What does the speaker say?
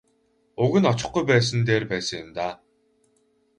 Уг нь очихгүй байсан нь дээр байсан юм даа.